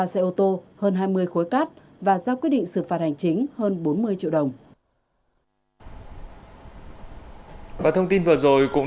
ba xe ô tô hơn hai mươi khối cát và ra quyết định xử phạt hành chính hơn bốn mươi triệu đồng